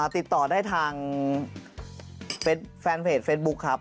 ติดต่อได้ทางแฟนเพจเฟซบุ๊คครับ